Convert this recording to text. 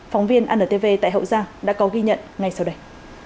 phóng viên antv tại hậu giang đã có ghi nhận ngay sau đây